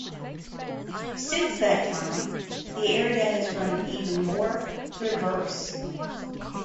Since that time, the area has grown even more diverse.